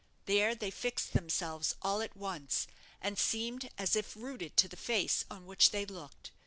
There they fixed themselves all at once, and seemed as if rooted to the face on which they looked.